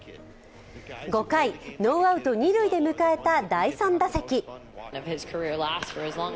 ５回、ノーアウト二塁で迎えた第３打席。